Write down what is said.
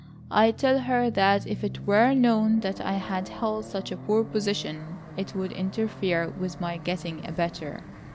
I tell her that if it were known that I had held such a poor position, it would interfere with my getting a better.